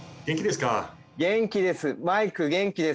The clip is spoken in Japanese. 元気です！